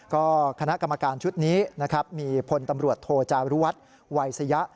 ก็คณะกรรมการชุดนี้นะครับมีพลตำรวจโทจารุวัฒน์วัยสยะ